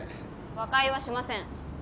和解はしません。